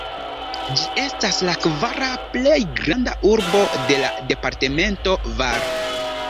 Ĝi estas la kvara plej granda urbo de la departemento Var.